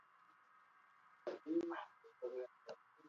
Gure esfortsuarekin identifikatuta sentitzea espero dugu.